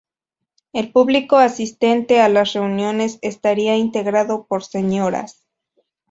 El público asistente a las reuniones estaría integrado por señoras.